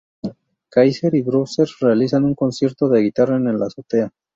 Kaiser y Bowser realizan un concierto de guitarra en la azotea.